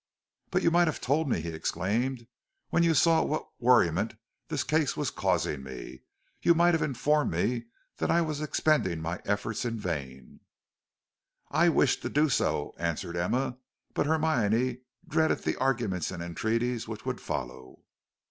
"But you might have told me," he exclaimed. "When you saw what worriment this case was causing me, you might have informed me that I was expending my efforts in vain." "I wished to do so," answered Emma, "but Hermione dreaded the arguments and entreaties which would follow."